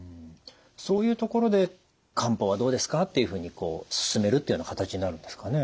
そういうところで「漢方はどうですか？」っていうふうに勧めるというような形になるんですかね？